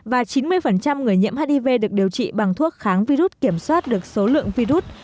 và chín mươi người nhiễm hiv được điều trị bằng thuốc kháng virus kiểm soát được số lượng virus